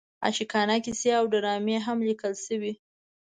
عاشقانه کیسې او ډرامې هم لیکل شوې.